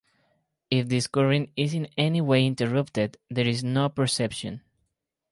If this current is in any way interrupted, there is no perception.